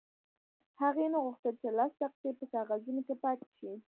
هغې نه غوښتل چې لس دقیقې په کاغذونو کې پاتې شي